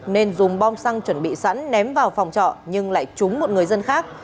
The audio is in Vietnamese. nên dùng bom xăng chuẩn bị sẵn ném vào phòng trọ nhưng lại trúng một người dân khác